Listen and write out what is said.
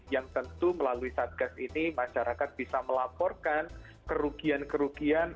yang tentu melalui satgas ini masyarakat bisa melaporkan kerugian kerugian